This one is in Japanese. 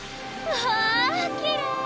わあきれい。